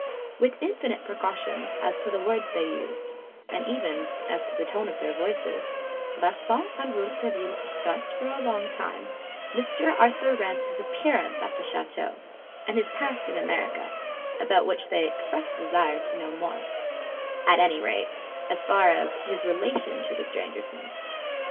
With infinite precautions as to the words they used, and even as to the tones of their voices, Larsan and Rouletabille discussed, for a long time, Mr. Arthur Rance's appearance at the chateau, and his past in America, about which they expressed a desire to know more, at any rate, so far as his relations with the Stangersons.